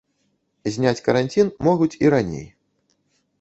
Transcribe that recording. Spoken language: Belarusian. Зняць каранцін могуць і раней.